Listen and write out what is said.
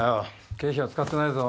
経費は使ってないぞ。